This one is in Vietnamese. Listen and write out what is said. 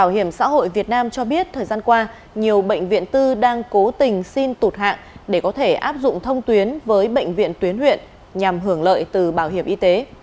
bảo hiểm xã hội việt nam cho biết thời gian qua nhiều bệnh viện tư đang cố tình xin tụt hạng để có thể áp dụng thông tuyến với bệnh viện tuyến huyện nhằm hưởng lợi từ bảo hiểm y tế